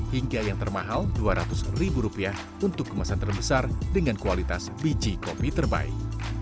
hingga yang termahal rp dua ratus untuk kemasan terbesar dengan kualitas biji kopi terbaik